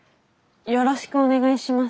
よろしくお願いします。